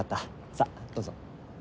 さあどうぞ。